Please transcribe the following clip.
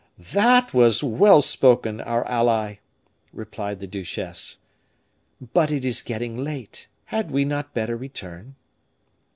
"That was well spoken, our ally!" replied the duchesse. "But it is getting late; had we not better return?"